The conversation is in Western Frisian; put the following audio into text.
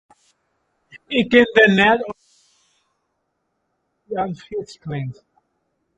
Ik kin der neat oan dwaan dat it in bytsje as in ferwyt klinkt.